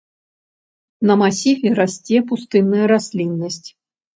На масіве расце пустынная расліннасць.